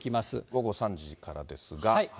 午後３時からですが。